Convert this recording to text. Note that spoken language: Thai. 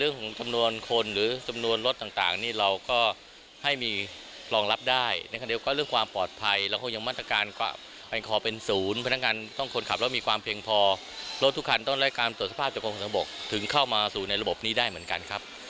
ในส่วนของลักษณะการเตรียมการ